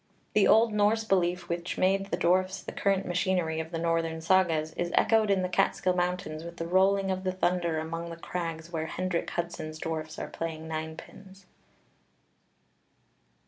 The old Norse belief which made the dwarfs the current machinery of the northern Sagas is echoed in the Catskill Mountains with the rolling of the thunder among the crags where Hendrik Hudson's dwarfs are playing ninepins.